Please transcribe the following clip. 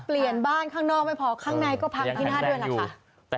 เปลี่ยนบ้านข้างนอกไม่พอข้างในก็พังที่หน้าด้วยล่ะค่ะ